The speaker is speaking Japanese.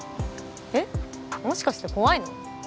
えっもしかして怖いの？